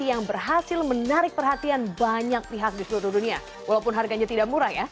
yang berhasil menarik perhatian banyak pihak di seluruh dunia walaupun harganya tidak murah ya